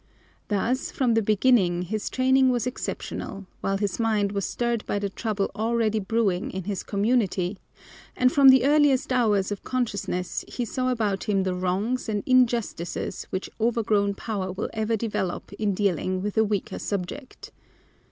Thus from the beginning his training was exceptional, while his mind was stirred by the trouble already brewing in his community, and from the earliest hours of consciousness he saw about him the wrongs and injustices which overgrown power will ever develop in dealing with a weaker subject.